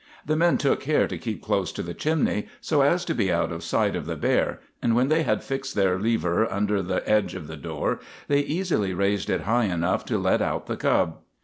The men took care to keep close to the chimney, so as to be out of sight of the bear, and when they had fixed their lever under the edge of the door they easily raised it high enough to let out the cub.